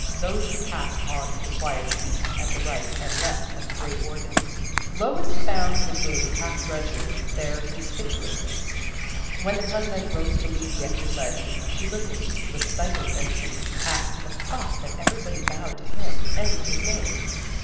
Those who passed on to the choir seats at the right and left of the great organ, Lois followed 32 Vassar Studies with a gaze half grudging their conspicu ousness. When the president rose to lead the exercises, she listened with stifled envy at the thought that everybody bowed to him, and knew his name.